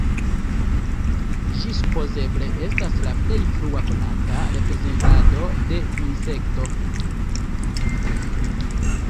Ĝi supozeble estas la plej frua konata reprezentado de insekto.